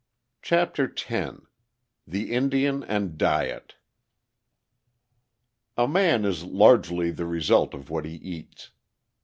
CHAPTER X THE INDIAN AND DIET A man is largely the result of what he eats.